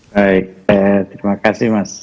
baik terima kasih mas